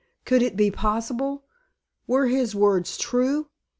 Could it be possible? Were his words true?